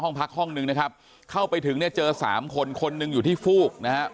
ห้องพักห้องนึงนะครับเข้าไปถึงเนี่ยเจอสามคนคนหนึ่งอยู่ที่ฟูกนะครับ